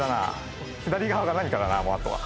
左側が何かだなあとは。